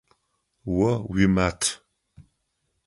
О уимат.